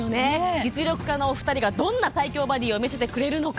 実力派の２人がどんな最強バディーを見せてくれるのか。